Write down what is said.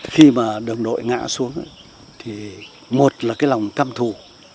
khi mà đồng đội ngã xuống thì một là cái lòng căm thù